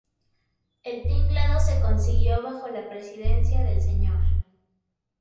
El tinglado se consiguió bajo la presidencia del sr.